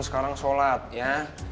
sekarang sholat ya